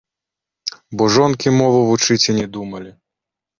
Бо жонкі мову вучыць і не думалі.